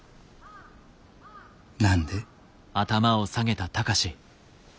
何で？